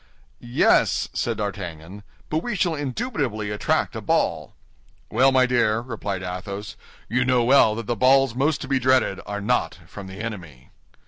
"Yes," said D'Artagnan; "but we shall indubitably attract a ball." "Well, my dear," replied Athos, "you know well that the balls most to be dreaded are not from the enemy."